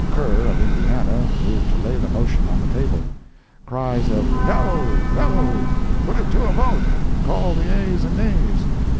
Kerr, of Indiana, moved to lay the motion on the table. [Cries of "No!—no!—put it to a vote!—call the ayes and nays!"